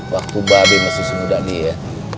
waktu mbak be masih semudah dia